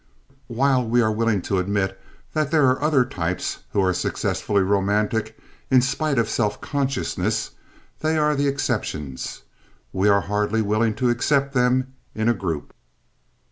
While we are willing to admit that there are other types who are successfully romantic, in spite of self consciousness, they are the exceptions. We are hardly willing to accept them in a group.